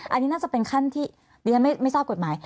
อันนี้น่าจะเป็นขั้นที่ดิฉันไม่ทราบกฎหมาย